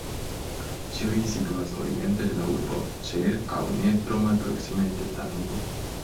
Ĉiuj situas oriente de la urbo, ĉe aŭ ne tro malproksime de Danubo.